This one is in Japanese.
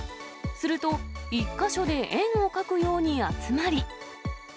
すると、１か所で円を描くように集まり。